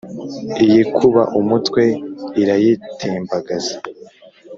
Iyikuba umutwe irayitembagaza